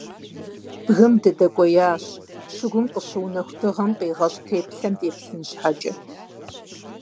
Бгым дыдэкӏуеящ, щыгум къыщыунэху дыгъэм къигъэщӏ теплъэм деплъын щхьэкӏэ.